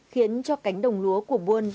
khiến cho cánh đồng lúa của bôn